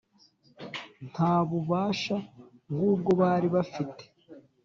Nta bubasha nk’ubwo bari bafite